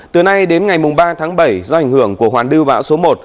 từ nay đến ngày mùng ba tháng bảy do ảnh hưởng của hoàn đư bão số một